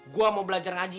gue mau belajar ngaji